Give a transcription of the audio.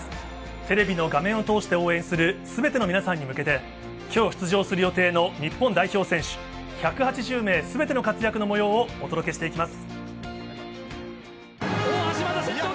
テレビの画面を通して応援する全ての皆さんに向けて、今日出場する予定の日本代表選手１８０名全ての活躍の模様をお届けしていきます。